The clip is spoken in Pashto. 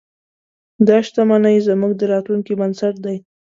دا شتمنۍ زموږ د راتلونکي بنسټ دی.